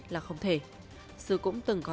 là không thể sư cũng từng có